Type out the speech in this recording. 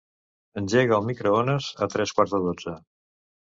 Engega el microones a tres quarts de dotze.